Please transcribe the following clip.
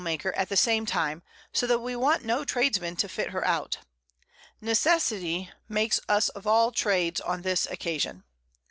_] and Sail maker at the same time; so that we want no Tradesmen to fit her out. Necessity makes us of all Trades on this occasion.